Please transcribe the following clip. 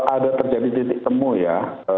ada terjadi titik temu ya